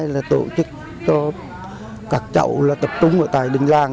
là tổ chức cho các cháu là tập trung ở tại đình làng